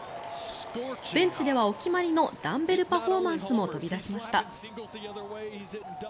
ベンチではお決まりのダンベルパフォーマンスも飛び出しました。